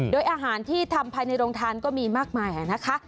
โดยอาหารที่ทำภายในโรงทานก็มีมากมายนะคะ